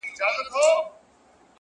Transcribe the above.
راځه د اوښکو تويول در زده کړم!!